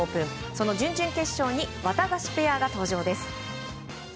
その準々決勝にワタガシペアが登場です。